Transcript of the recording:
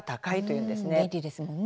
便利ですもんね。